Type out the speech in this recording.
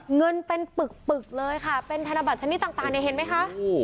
เงินเป็นปึกเลยค่ะเป็นธนบัตชนิดต่างเนี่ยเห็นไหมคะ